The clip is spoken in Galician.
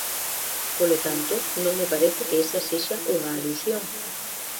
Polo tanto, non me parece que esa sexa unha alusión.